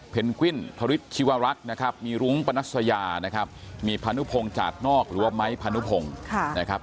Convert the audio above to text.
เพนกวิ่นพริษชีวรักษ์นะครับมีรุ้งปนัสยานะครับมีพนุพงจากนอกหรือว่าไม้พนุพงนะครับ